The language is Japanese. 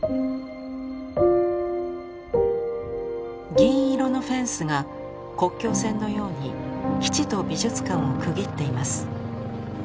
銀色のフェンスが国境線のように基地と美術館を区切っています。